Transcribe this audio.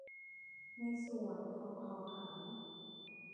ในส่วนของข้อ ห้า